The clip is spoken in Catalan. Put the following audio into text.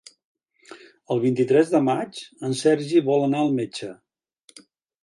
El vint-i-tres de maig en Sergi vol anar al metge.